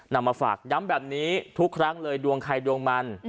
มาฝากย้ำแบบนี้ทุกครั้งเลยดวงใครดวงมัน